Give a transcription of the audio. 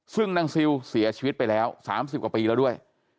ซึ่งนางซิลเสียชีวิตไปแล้ว๓๐กว่าปีแล้วด้วย